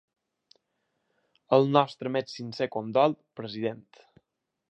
El nostre més sincer condol, president.